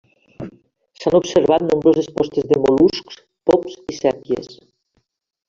S’han observat nombroses postes de mol·luscs, pops i sèpies.